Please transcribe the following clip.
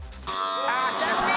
残念。